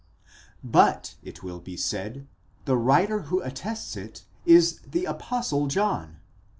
But it will be said, the writer who attests it is the Apostle John.